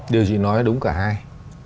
điều chị nói đúng cả hai